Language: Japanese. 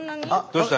どうした？